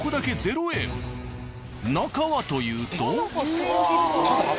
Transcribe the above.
中はというと。